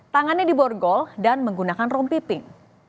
tangannya diborgol dan menggunakan rompiping